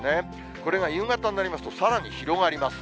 これが夕方になりますと、さらに広がります。